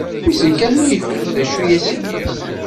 Wissen kan ma yefhem d acu i as-nniɣ?